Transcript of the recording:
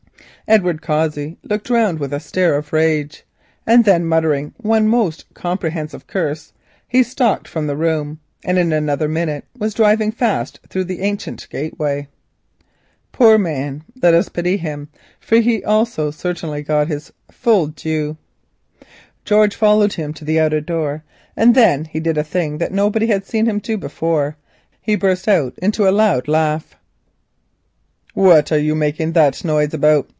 Edward Cossey looked round with a stare of rage. Then muttering one most comprehensive curse he stalked from the room, and in another minute was driving fast through the ancient gateway. Let us pity him, for he also certainly received his due. George followed him to the outer door and then did a thing that nobody had seen him do before; he burst out into a loud laugh. "What are you making that noise about?"